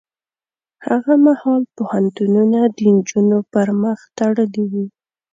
هغه مهال پوهنتونونه د نجونو پر مخ تړلي وو.